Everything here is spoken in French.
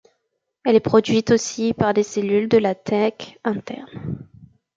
Elle est produite aussi par les cellules de la thèque interne.